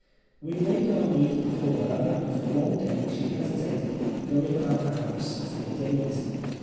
We laid our need before her and for one day she hesitated, going about the house as if dazed.